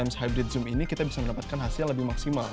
di hybrid zoom ini kita bisa mendapatkan hasil yang lebih maksimal